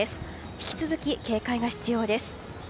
引き続き警戒が必要です。